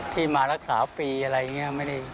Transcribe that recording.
ที่มารักษาฟรีอะไรอย่างนี้